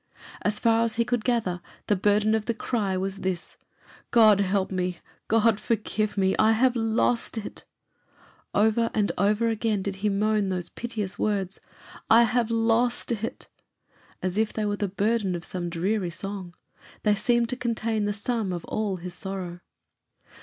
As far as he could gather, the burden of the cry was this, "God help me! God forgive me! I have lost it!" Over and over again did he moan those piteous words, "I have lost it!" as if they were the burden of some dreary song. They seemed to contain the sum of all his sorrow.